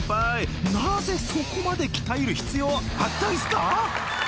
なぜそこまで鍛える必要あったんすか？］